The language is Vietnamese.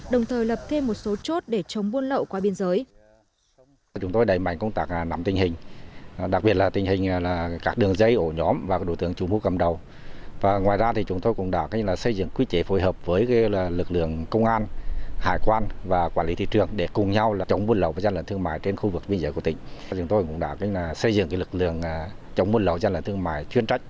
đồng thời lập thêm một số chốt để chống buôn lậu qua biên giới